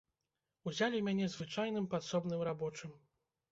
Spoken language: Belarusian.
Узялі мяне звычайным падсобным рабочым.